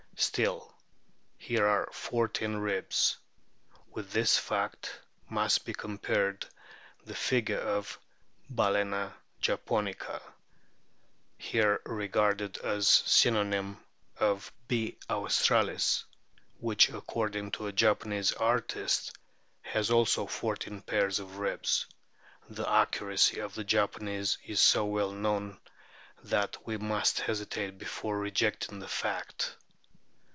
Still, here are fourteen ribs. With this fact must be compared the figure of Balccna japonica, here re garded as a synonym of B. australis, which, according to a Japanese artist, f has also fourteen pair of ribs ; the accuracy of the Japanese is so well known that we must hesitate before rejecting the fact.